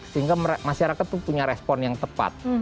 sehingga masyarakat itu punya respon yang tepat